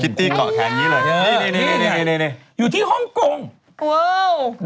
ครูคิตตี้เกาะแขนอยู่ที่ฮ่องกงว้าว